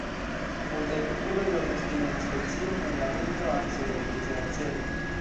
Multaj fakuloj lokas tiujn speciojn en la genro "Anser" de grizaj anseroj.